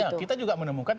ya kita juga menemukan